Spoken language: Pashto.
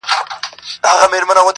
لاره تعقيبوي خاموشه او جلا